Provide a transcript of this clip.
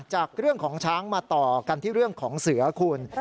จากเรื่องของช้างมาต่อกันที่เรื่องของเสือคุณ